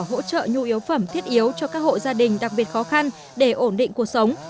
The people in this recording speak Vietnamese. hỗ trợ nhu yếu phẩm thiết yếu cho các hộ gia đình đặc biệt khó khăn để ổn định cuộc sống